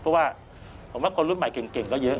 เพราะว่าผมว่าคนรุ่นใหม่เก่งก็เยอะ